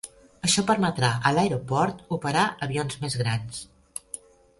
Això permetrà a l'aeroport operar avions més grans.